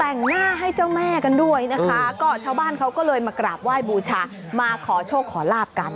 แต่งหน้าให้เจ้าแม่กันด้วยนะคะก็ชาวบ้านเขาก็เลยมากราบไหว้บูชามาขอโชคขอลาบกัน